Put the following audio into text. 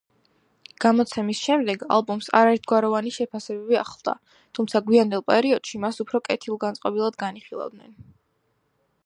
გამოცემის შემდეგ ალბომს არაერთგვაროვანი შეფასებები ახლდა, თუმცა გვიანდელ პერიოდში მას უფრო კეთილგანწყობილად განიხილავდნენ.